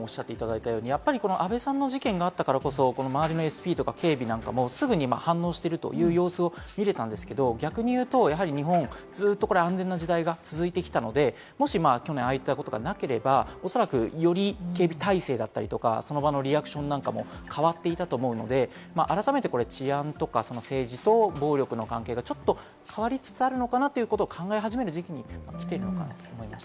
安倍さんの事件があったからこそ、周りのＳＰとか警備なんかもすぐに反応しているという様子を見れたんですけど、逆に言うと日本はずっと安全な時代が続いてきたので、もし去年、ああいったことがなければ恐らくより警備態勢だったり、その場のリアクションなんかも変わっていたと思うので、改めて、治安とか政治と暴力の関係がちょっと変わりつつあるのかなという事を考え始める時期に来ているのかなと思いました。